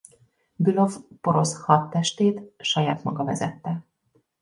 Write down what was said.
Bülow porosz hadtestét saját maga vezette.